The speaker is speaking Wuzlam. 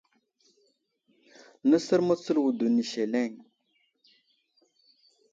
Nəsər mətsəl wədo ni seleŋ.